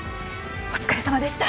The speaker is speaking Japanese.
お疲れさまでした！